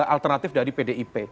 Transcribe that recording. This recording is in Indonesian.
alternatif dari pdip